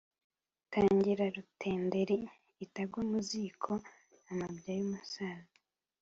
Tangira Rutenderi itagwa mu ziko-Amabya y'umusaza.